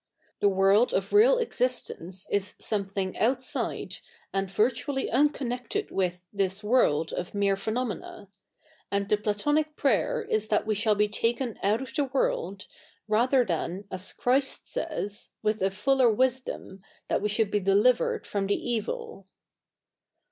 The world of real exist ence is somethi?2g outside, and virtually unconnected with, this world of me7'e phenome?ia ; and the Platonic p7'ayer is that ive shall be take7i out of the world, rather than, as Christ says, with a fuller wisdo7n, that we should be delivered from the evil.